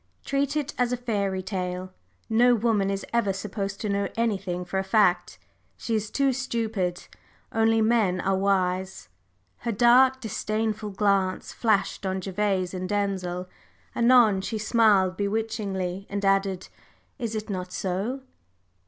Treat it as a fairy tale no woman is ever supposed to know anything for a fact, she is too stupid. Only men are wise!" Her dark, disdainful glance flashed on Gervase and Denzil; anon she smiled bewitchingly, and added: "Is it not so?"